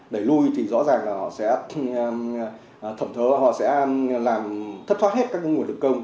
đẩy lui thì rõ ràng là họ sẽ thẩm thớ họ sẽ thất thoát hết các nguồn lực công